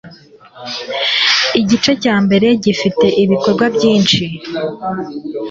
Igice cya mbere gifite ibikorwa byinshi.